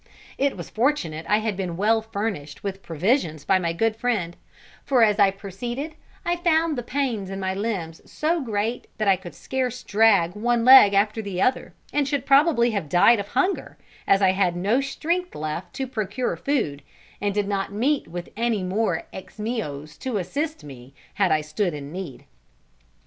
It was fortunate I had been well furnished with provisions by my good friend, for as I proceeded, I found the pains in my limbs so great that I could scarce drag one leg after the other, and should probably have died of hunger, as I had no strength left to procure food, and did not meet with any more Ximios to assist me had I stood in need.